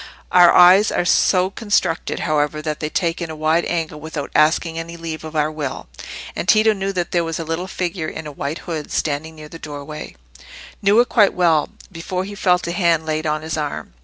Our eyes are so constructed, however, that they take in a wide angle without asking any leave of our will; and Tito knew that there was a little figure in a white hood standing near the doorway—knew it quite well, before he felt a hand laid on his arm.